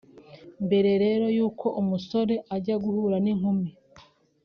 Mbere rero y’uko umusore ajya guhura n’inkumi